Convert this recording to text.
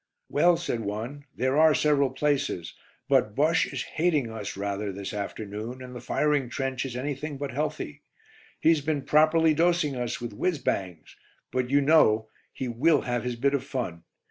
"Well," said one, "there are several places, but Bosche is 'hating' us rather this afternoon, and the firing trench is anything but healthy. He's been properly dosing us with 'whizz bangs,' but you know he will have his bit of fun.